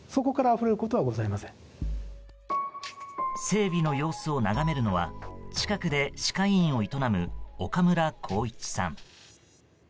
整備の様子を眺めるのは近くで歯科医院を営む岡村興一さん。